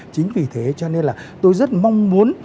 chính vì thế cho nên là tôi rất mong muốn